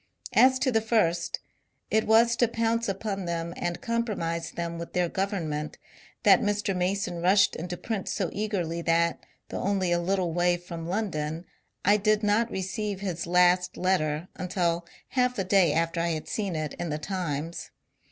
As to the first, it was to pounce upon them and compromise them with their government that Mr. Mason rushed into print so eagerly that, though only a little way from London, I did not receive his last letter until half a day after I had seen it in the ^* Times."